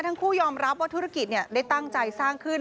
ทั้งคู่ยอมรับว่าธุรกิจได้ตั้งใจสร้างขึ้น